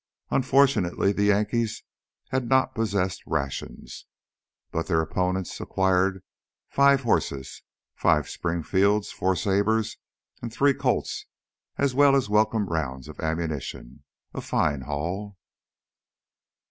Unfortunately the Yankees had not possessed rations, but their opponents acquired five horses, five Springfields, four sabers, and three Colts, as well as welcome rounds of ammunition a fine haul.